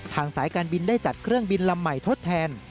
สายการบินได้จัดเครื่องบินลำใหม่ทดแทน